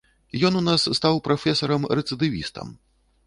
Ён у нас стаў прафесарам-рэцыдывістам.